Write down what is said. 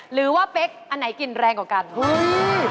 เป๊กอันไหนกลิ่นแรงกว่ากัน